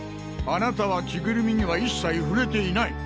あなたは着ぐるみにはいっさい触れていない。